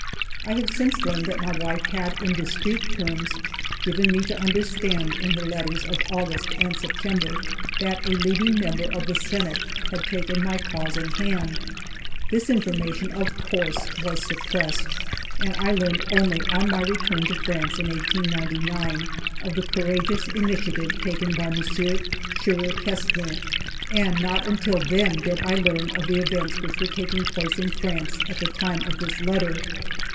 I have since learned that my wife had in dis creet terms given me to understand, in her letters of August and September, that a leading member of the Senate had taken my cause in hand. This information, of course, was suppressed, and I learned only on my return to France in 1899 of the courageous initiative taken by M. Scheurer Kestner, and not until then did I learn of the events which were taking place in France at the time of this letter.